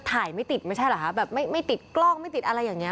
ไม่ติดไม่ใช่เหรอคะแบบไม่ติดกล้องไม่ติดอะไรอย่างนี้